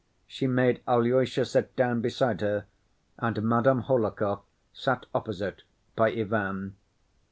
She made Alyosha sit down beside her, and Madame Hohlakov sat opposite, by Ivan.